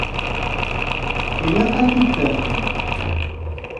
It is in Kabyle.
Ilaq ad t-id-tafem.